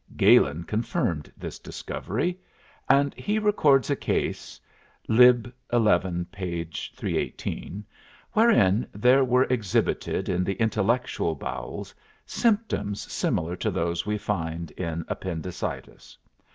"Galen confirmed this discovery and he records a case (Lib. xi., p. 318) wherein there were exhibited in the intellectual bowels symptoms similar to those we find in appendicitis.